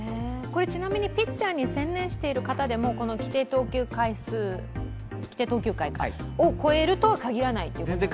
ちなみに、ピッチャーに専念している方でもこの規定投球回を超えるとは限らないということですね。